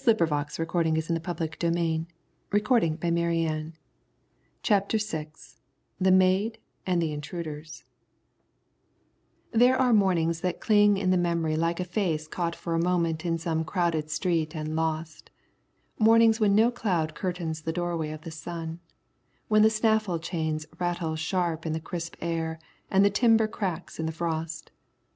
Then I heard the voice of the old waggon maker calling us to breakfast. CHAPTER VI THE MAID AND THE INTRUDERS There are mornings that cling in the memory like a face caught for a moment in some crowded street and lost; mornings when no cloud curtains the doorway of the sun; when the snaffle chains rattle sharp in the crisp air and the timber cracks in the frost.